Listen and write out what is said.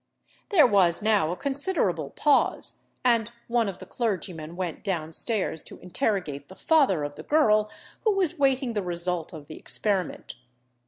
There was now a considerable pause, and one of the clergymen went down stairs to interrogate the father of the girl, who was waiting the result of the experiment.